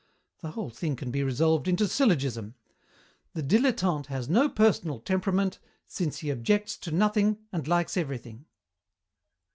The whole thing can be resolved into syllogism: "The dilettante has no personal temperament, since he objects to nothing and likes everything.